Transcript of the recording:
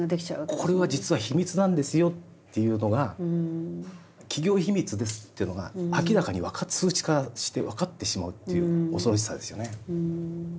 「これは実は秘密なんですよ」っていうのが「企業秘密です」っていうのが明らかに数値化して分かってしまうっていう恐ろしさですよね。